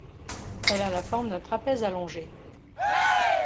Elle a la forme d'un trapèze allongé.